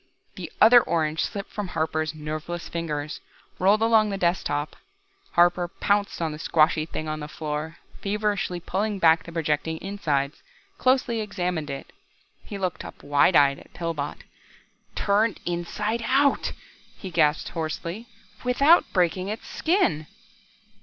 The other orange slipped from Harper's nerveless fingers, rolled along the desk top. Harper pounced on the squashy thing on the floor, feverishly pushed back the projecting insides, closely examined it. He looked up wide eyed at Pillbot. "Turned inside out," he gasped hoarsely, "without breaking its skin!"